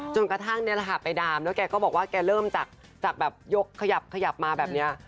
จนกระทั่งนี่แหละค่ะไปดามแล้วแกก็บอกว่าแกเริ่มจากแบบยกขยับมาแบบนี้